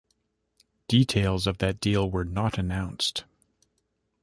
Details of that deal were not announced.